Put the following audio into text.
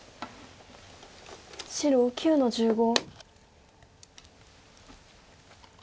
白９の十五。